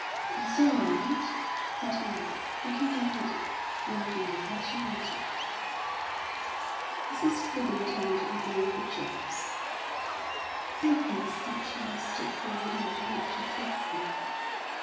"It's all right," said Mary, looking down at it, laughing and blushing a little. Mrs. Clibborn turned again to James. "I think it's such a mistake for women not to dress well.